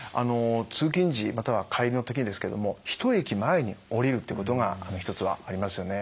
通勤時または帰りの時ですけども１駅前に降りるっていうことが一つはありますよね。